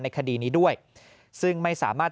คดีนี้ด้วยซึ่งไม่สามารถ